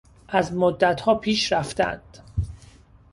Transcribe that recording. از مدتها پیش رفتهاند.